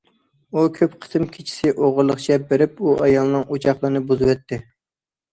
ئۇ كۆپ قېتىم كېچىسى ئوغرىلىقچە بېرىپ ئۇ ئايالنىڭ ئوچاقلىرىنى بۇزۇۋەتتى.